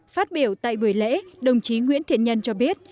phát biểu tại buổi lễ đồng chí nguyễn thiện nhân cho biết